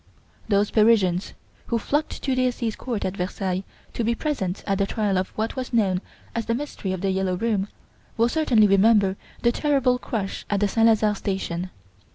Those Parisians who flocked to the Assize Court at Versailles, to be present at the trial of what was known as the "Mystery of "The Yellow Room," will certainly remember the terrible crush at the Saint Lazare station.